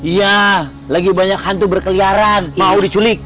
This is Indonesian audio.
iya lagi banyak hantu berkeliaran mau diculik